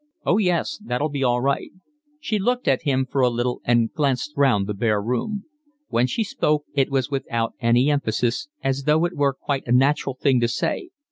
"Oh yes, that'll be all right." She looked at him for a little and glanced round the bare room. When she spoke it was without any emphasis, as though it were quite a natural thing to say.